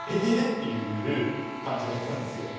っていう感じだったんですよ。